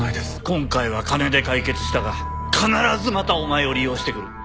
今回は金で解決したが必ずまたお前を利用してくる。